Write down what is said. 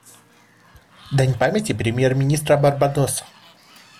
Дань памяти премьер-министра Барбадоса.